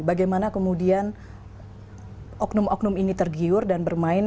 bagaimana kemudian oknum oknum ini tergiur dan bermain